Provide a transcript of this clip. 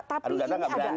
aduh data tidak berani